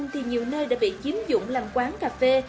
thì nhiều nơi đã bị chiếm dụng làm quán cà phê